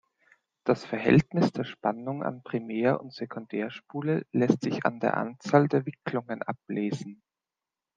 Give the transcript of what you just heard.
Das Verhältnis der Spannung an Primär- und Sekundärspule lässt sich an der Anzahl der Wicklungen ablesen.